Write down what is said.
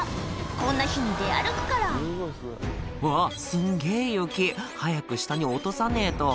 こんな日に出歩くから「うわすんげぇ雪早く下に落とさねえと」